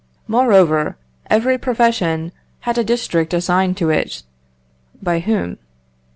Moreover, every profession had a district assigned to it (by whom?)....